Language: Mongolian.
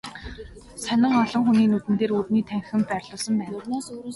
Сонин олон хүний нүдэн дээр үүдний танхимд байрлуулсан байна.